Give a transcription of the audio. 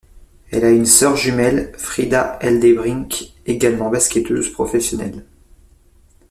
Elle a une sœur jumelle, Frida Eldebrink, également basketteuse professionnelle.